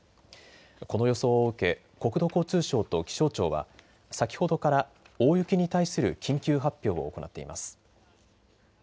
この予想を受け国土交通省と気象庁は先ほどから大雪に対する緊急発表を行っています。